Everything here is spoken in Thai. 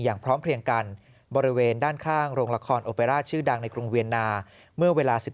พร้อมเพลียงกันบริเวณด้านข้างโรงละครโอเปร่าชื่อดังในกรุงเวียนนาเมื่อเวลา๑๓